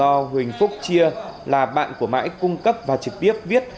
và có hai hợp đồng do huỳnh phúc chia là bạn của mãi cung cấp và trực tiếp viết